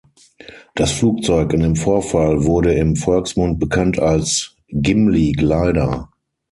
Das Flugzeug in dem Vorfall wurde im Volksmund bekannt als „Gimli Glider“.